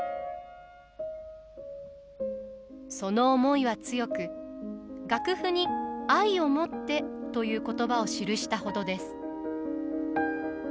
その思いは強く楽譜に「愛をもって」という言葉を記したほどです。